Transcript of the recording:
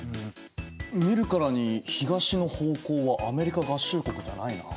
見るからに東の方向はアメリカ合衆国じゃないなあ。